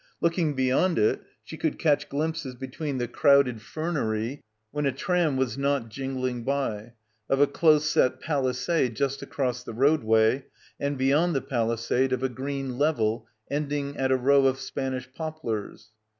Looking beyond it she could catch glimpses between the crowded fernery, when a tram was not jingling by, of a close set palisade just across the roadway and beyond the palisade of a green level ending at a row of Span ish poplars.